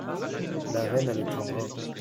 La reine a le teint brun.